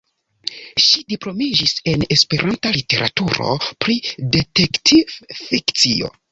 Ŝi diplomiĝis en esperanta literaturo pri detektiv-fikcio.